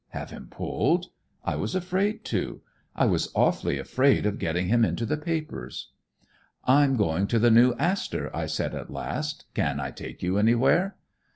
Have him pulled? I was afraid to. I was awfully afraid of getting him into the papers. "'I'm going to the New Astor,' I said at last. 'Can I take you anywhere?'